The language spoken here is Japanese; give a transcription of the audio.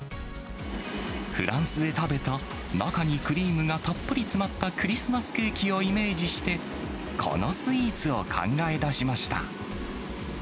フランスで食べた、中にクリームがたっぷり詰まったクリスマスケーキをイメージして、このスイーツを考え出しました。